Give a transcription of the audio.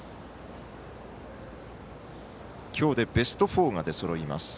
今日でベスト４が出そろいます。